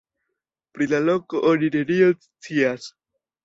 Pri la loko oni nenion scias.